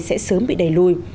sẽ sớm bị đẩy lùi